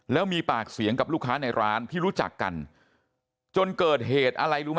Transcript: แล้วมีปากเสียงกับลูกค้าในร้านที่รู้จักกันจนเกิดเหตุอะไรรู้ไหม